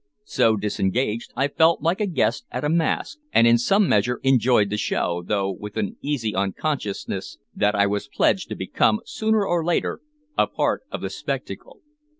So disengaged, I felt like a guest at a mask, and in some measure enjoyed the show, though with an uneasy consciousness that I was pledged to become, sooner or later, a part of the spectacle.